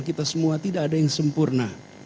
kita semua tidak ada yang sempurna